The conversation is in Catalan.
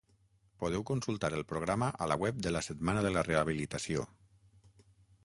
Podeu consultar el programa a la web de la Setmana de la Rehabilitació.